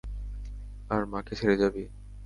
আর মাকে ছেড়ে যাবি?